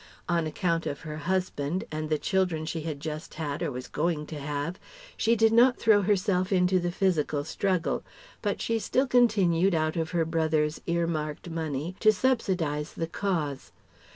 On account of her husband, and the children she had just had or was going to have, she did not throw herself into the physical struggle; but she still continued out of her brother's ear marked money to subsidize the cause.